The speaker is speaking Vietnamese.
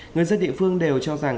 người dân địa phương đều cho rằng